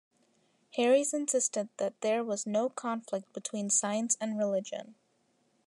Harries insisted that there was no conflict between science and religion.